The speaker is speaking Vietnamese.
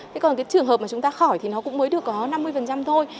thế còn cái trường hợp mà chúng ta khỏi thì nó cũng mới được có năm mươi thôi